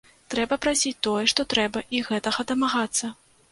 Трэба прасіць тое, што трэба і гэтага дамагацца.